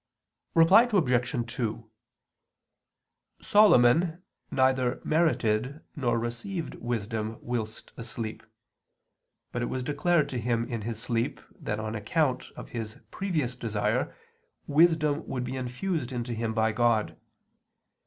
Reply Obj. 2: Solomon neither merited nor received wisdom whilst asleep; but it was declared to him in his sleep that on account of his previous desire wisdom would be infused into him by God.